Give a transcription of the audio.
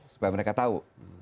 supaya mereka tahu